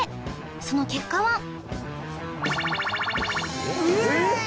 その結果はえっ？